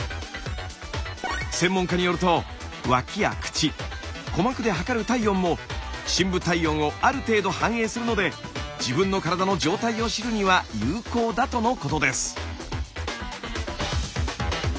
専門家によると脇や口鼓膜で測る体温も深部体温をある程度反映するので自分の体の状態を知るには有効だとのことです。